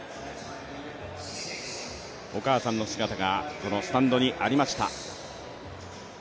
お母さんの姿がこのスタンドにありました。